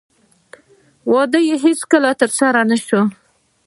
واده یې هېڅکله ترسره نه شو